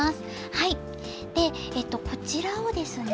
はいでこちらをですね